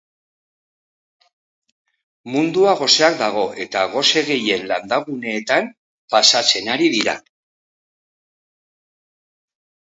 Mundua goseak dago, eta gose gehien landaguneetan pasatzen ari dira.